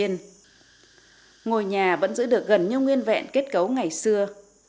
ngôi nhà vẫn giữ được gần như nguyên vẹn kết cấu ngày xưa